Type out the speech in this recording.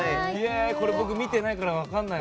これ、僕見てないから分かんない。